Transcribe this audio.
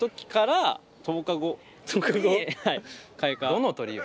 どの鳥よ。